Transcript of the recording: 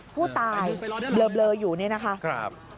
ผู้ตายเบลออยู่นี่นะคะ